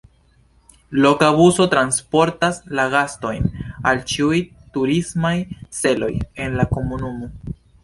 Loka buso transportas la gastojn al ĉiuj turismaj celoj en la komunumo.